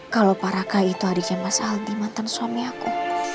kalau parakah itu adiknya mas aldi mantan suami aku